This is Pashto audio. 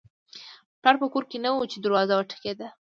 پلار په کور کې نه و چې دروازه وټکېده